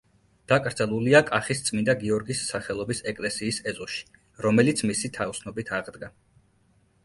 დაკრძალულია კახის წმინდა გიორგის სახელობის ეკლესიის ეზოში, რომელიც მისი თაოსნობით აღდგა.